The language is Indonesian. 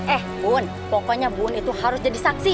eh pun pokoknya bun itu harus jadi saksi